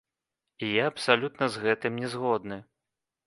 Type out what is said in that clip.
І я абсалютна з гэтым не згодны.